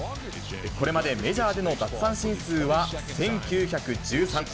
これまでメジャーでの奪三振数は、１９１３。